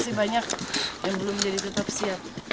masih banyak yang belum jadi tetap siap